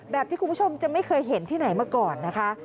ที่คุณผู้ชมจะไม่เคยเห็นที่ไหนมาก่อนนะคะ